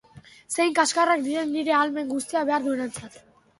Zein kaskarrak diren nire ahalmen guztiak behar dudanarentzat!